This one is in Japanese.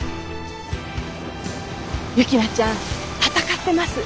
雪菜ちゃん闘ってます。